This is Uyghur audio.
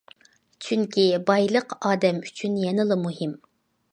چۈنكى بايلىق ئادەم ئۈچۈن يەنىلا مۇھىم.